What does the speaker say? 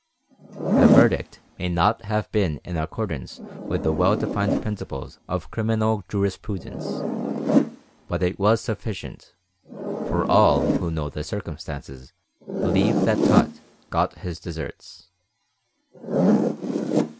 The verdict may not have been in accordance with the well defined principles of criminal jurisprudence, but it was sufficient, for all who know the circumstances believe that Tutt got his deserts.